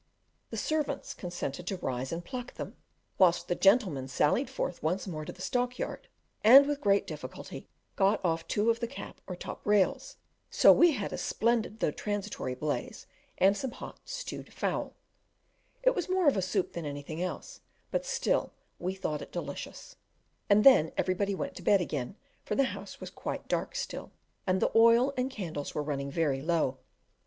The servants consented to rise and pluck them, whilst the gentlemen sallied forth once more to the stock yard, and with great difficulty got off two of the cap or top rails, so we had a splendid though transitory blaze, and some hot stewed fowl; it was more of a soup than anything else, but still we thought it delicious: and then everybody went to bed again, for the house was quite dark still, and the oil and candles were running very low.